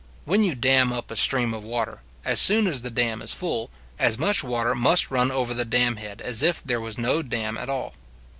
When you dam up a stream of water, as soon as the dam is full, as much water must run over the dam head as if there was no dam at all.